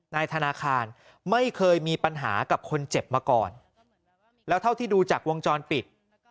นายธนาคารไม่เคยมีปัญหากับคนเจ็บมาก่อนแล้วเท่าที่ดูจากวงจรปิด